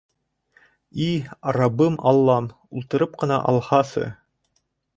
И раббым-аллам, ултыртып ҡына алһасы?!